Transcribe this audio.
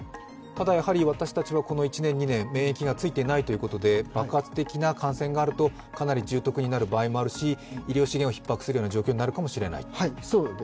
ただ、私たちはこの１年、２年、免疫がついていないということで爆発的な感染があるとかなり重篤になる可能性もあるし医療資源がひっ迫するような状況になるかもしれない？